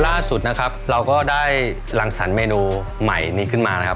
ล่าสุดนะครับเราก็ได้รังสรรคเมนูใหม่นี้ขึ้นมานะครับ